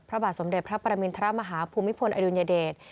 พระบาทสมเด็จพระปรมินทรมาฮาภูมิพลอดุลยเดช